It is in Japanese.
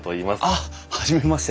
あっ初めまして。